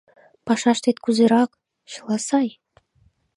Пашаштет кузерак, чыла сай?